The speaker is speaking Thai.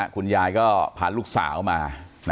คุณยายก็พาลูกสาวมา